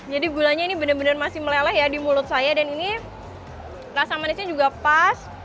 jadi gulanya ini benar benar masih meleleh ya di mulut saya dan ini rasa manisnya juga pas